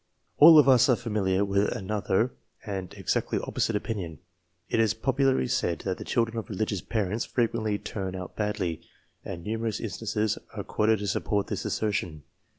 All of us are familiar with another and an exactly opposite opinion. It is popularly said that the children of religious parents frequently turn out badly, and numerous instances are quoted to support this assertion.